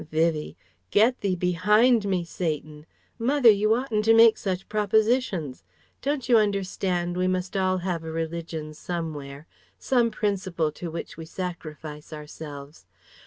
Vivie: "Get thee behind me, Satan! Mother, you oughtn't to make such propositions. Don't you understand, we must all have a religion somewhere. Some principle to which we sacrifice ourselves.